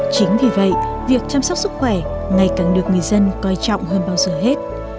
chính vì vậy việc chăm sóc sức khỏe ngày càng được người dân coi trọng hơn bao giờ hết